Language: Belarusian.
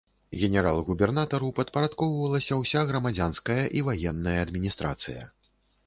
Генерал-губернатару падпарадкоўвалася ўся грамадзянская і ваенная адміністрацыя.